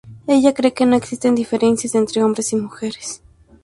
Ella cree que no existen diferencias entre hombres y mujeres.